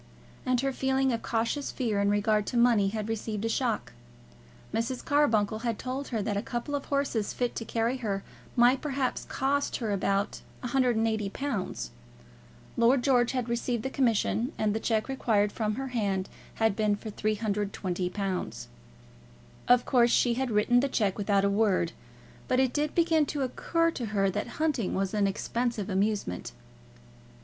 And her feeling of cautious fear in regard to money had received a shock. Mrs. Carbuncle had told her that a couple of horses fit to carry her might perhaps cost her about £180. Lord George had received the commission, and the cheque required from her had been for £320. Of course she had written the cheque without a word, but it did begin to occur to her that hunting was an expensive amusement.